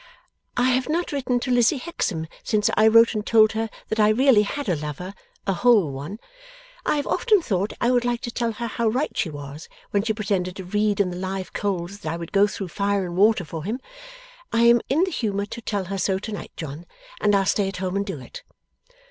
'I have not written to Lizzie Hexam since I wrote and told her that I really had a lover a whole one. I have often thought I would like to tell her how right she was when she pretended to read in the live coals that I would go through fire and water for him. I am in the humour to tell her so to night, John, and I'll stay at home and do it.